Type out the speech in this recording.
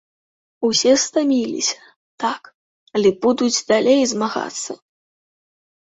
Усе стаміліся, так, але будуць далей змагацца.